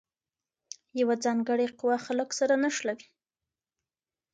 یوه ځانګړې قوه خلګ سره نښلوي.